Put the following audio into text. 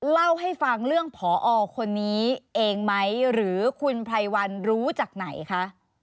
เล่าให้ฟังเรื่องผอคนนี้เองไหมหรือคุณไพรวันรู้จากไหนคะ